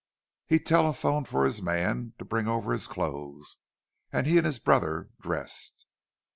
He telephoned for his man to bring over his clothes, and he and his brother dressed.